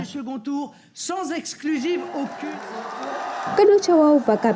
các nước châu âu và các nước việt nam